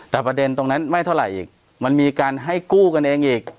แต่ประเด็นตรงนั้นไม่เท่าไหร่อีกมันมีการให้กู้กันเองอีก